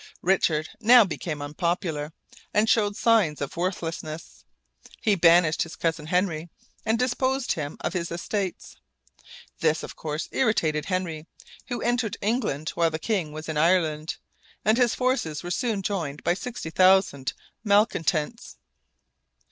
Richard now became unpopular, and showed signs of worthlessness. He banished his cousin Henry, and dispossessed him of his estates. This, of course, irritated Henry, who entered England while the king was in Ireland, and his forces were soon joined by sixty thousand malecontents.